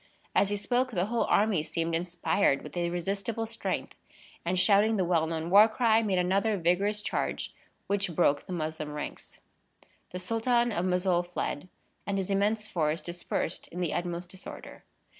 As he spoke, the whole army seemed inspired with irresistible strength; and, shouting the well known war cry, made another vigorous charge which broke the Moslem ranks. The Sultan of Mossoul fled, and his immense force dispersed in the utmost disorder.